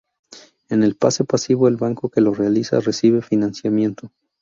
En el pase pasivo el banco que lo realiza recibe financiamiento.